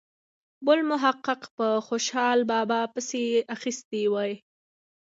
بل محقق په خوشال بابا پسې اخیستې وي.